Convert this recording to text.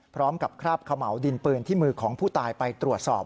คราบเขม่าวดินปืนที่มือของผู้ตายไปตรวจสอบ